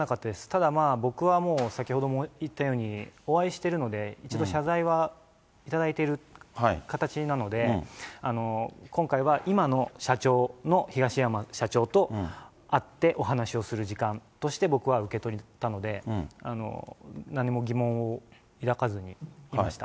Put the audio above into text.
ただ、僕はもう、先ほども言ったように、お会いしてるので、一度謝罪は頂いている形なので、今回は今の社長の東山社長と、会ってお話をする時間として僕は受け取ったので、何も疑問を抱かずにいました。